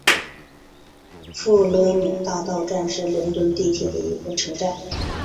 富勒姆大道站是伦敦地铁的一个车站。